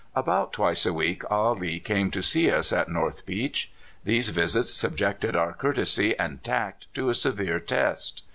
About twice a week Ah Lee came to see us at North Beach. These visits subjected our courtesy and tact to a severe test.